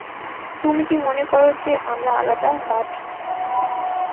তুমি কি মনে করো যে, আমরা আলাদা, বায?